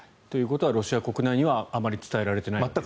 ということはロシア国内にはあまり伝えられてない。